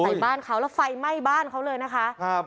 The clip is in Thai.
บ้านเขาแล้วไฟไหม้บ้านเขาเลยนะคะครับ